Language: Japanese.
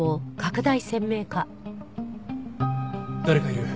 誰かいる。